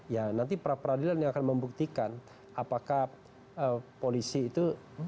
ya nanti pra peradilan yang akan membuktikan apakah polisi itu